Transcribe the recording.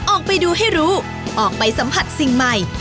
ออกไปดูให้รู้ออกไปสัมผัสสิ่งใหม่